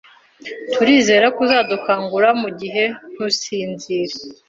Turizera ko uzadukangura mugihe, ntusinzire.